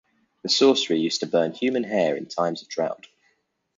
The sorcerer used to burn human hair in times of drought.